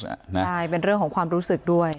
ใช่เป็นเรื่องของความรู้สึกด้วย